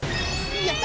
やった！